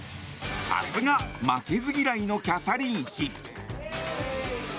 さすが負けず嫌いのキャサリン妃。